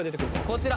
こちら。